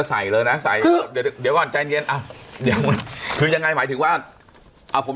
ใส่เลยนะใส่คือเดี๋ยวอ่ะคือยังไงหมายถึงว่าอ้ะผม